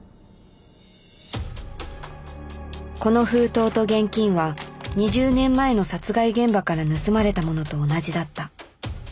この封筒と現金は２０年前の殺害現場から盗まれたものと同じだった。